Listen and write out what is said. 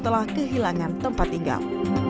telah kehilangan tempat tinggal